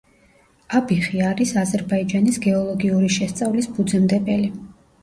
აბიხი არის აზერბაიჯანის გეოლოგიური შესწავლის ფუძემდებელი.